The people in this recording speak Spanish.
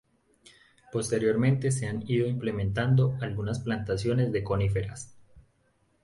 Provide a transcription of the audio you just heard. Posteriormente se han ido implementando algunas plantaciones de coníferas.